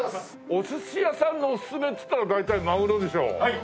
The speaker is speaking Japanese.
お寿司屋さんのおすすめっていったら大体マグロでしょ。